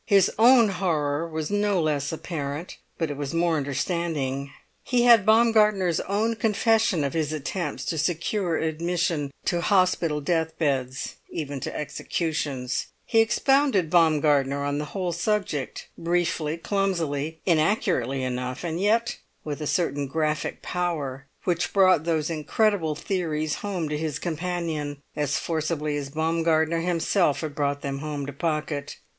His own horror was no less apparent, but it was more understanding. He had Baumgartner's own confession of his attempts to secure admission to hospital death beds, even to executions; he expounded Baumgartner on the whole subject, briefly, clumsily, inaccurately enough, and yet with a certain graphic power which brought those incredible theories home to his companion as forcibly as Baumgartner himself had brought them home to Pocket.